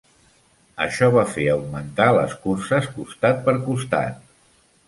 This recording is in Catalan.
Això va fer augmentar les curses costat per costat.